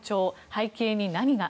背景に何が？